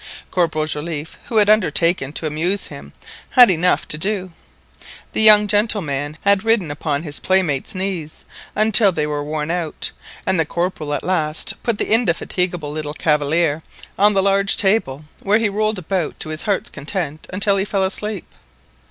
Corporal Joliffe, who had undertaken to amuse him, had enough to do. The young gentleman had ridden upon his playmate's knees until they were worn out, and the Corporal at last put the indefatigable little cavalier on the large table, where he rolled about to his heart's content until he fell asleep.